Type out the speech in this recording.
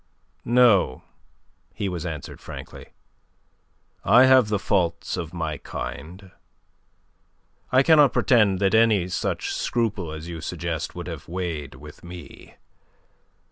"No," he was answered frankly. "I have the faults of my kind. I cannot pretend that any such scruple as you suggest would have weighed with me.